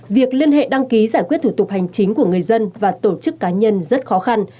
việc liên hệ đăng ký giải quyết thủ tục hành chính của người dân và tổ chức cá nhân rất khó khăn